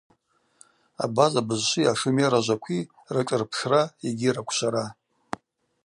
Абаза бызшви ашумер ажвакви рашӏырпшра йгьи раквшвара.